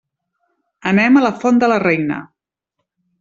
Anem a la Font de la Reina.